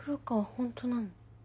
ホントなの？